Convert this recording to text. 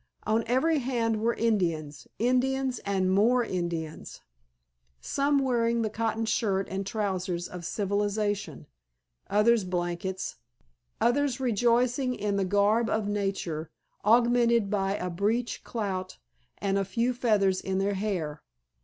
On every hand were Indians, Indians and more Indians. Some wearing the cotton shirt and trousers of civilization, others blankets, others rejoicing in the garb of nature, augmented by a breech clout and a few feathers in their hair.